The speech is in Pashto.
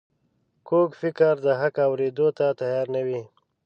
کوږ فکر د حق اورېدو ته تیار نه وي